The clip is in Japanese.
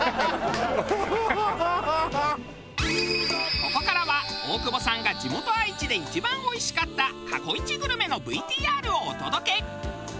ここからは大久保さんが地元愛知で一番おいしかった過去イチグルメのＶＴＲをお届け。